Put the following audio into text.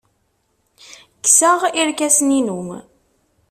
Kkseɣ irkasen-inu.